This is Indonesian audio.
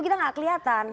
kita gak kelihatan